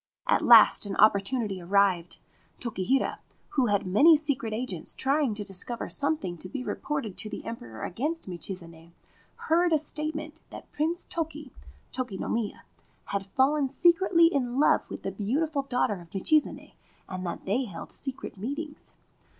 At last an opportunity arrived. Tokihira, who had many secret agents trying to discover something to be reported to the Emperor against Michizane, heard a statement that Prince Toki (Toki no Miya) had fallen secretly in love with the beautiful daughter of Michizane, and that they held secret meetings.